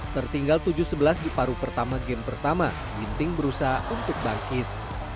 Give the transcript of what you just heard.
tertinggal tujuh sebelas di paru pertama game pertama ginting berusaha untuk bangkit